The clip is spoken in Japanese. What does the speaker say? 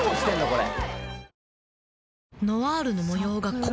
これ。